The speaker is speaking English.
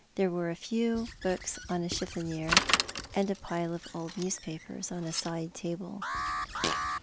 There were a few books on a chiffonier, and a pile of old newspripers on a side table.